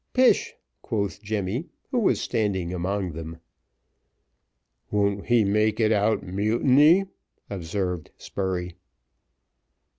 "Pish," quoth Jemmy, who was standing among them. "Won't he make it out mutiny?" observed Spurey.